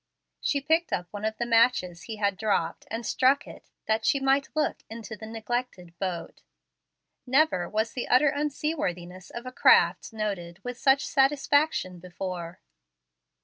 She picked up one of the matches he had dropped, and struck it, that she might look into the neglected boat. Never was the utter unseaworthiness of a craft noted with such satisfaction before.